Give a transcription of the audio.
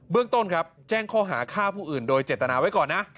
เรื่องต้นครับแจ้งข้อหาฆ่าผู้อื่นโดยเจตนาไว้ก่อนนะ